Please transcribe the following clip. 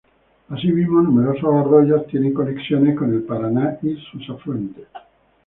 Asimismo numerosos arroyos tienen conexiones con el Paraná y sus afluentes.